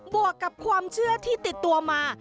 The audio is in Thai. วกกับความเชื่อที่ติดตัวมา